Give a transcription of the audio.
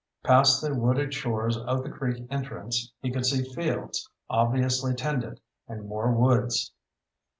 Past the wooded shores of the creek entrance, he could see fields, obviously tended, and more woods.